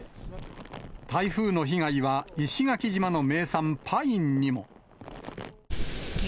台風の被害は石垣島の名産、パインにも。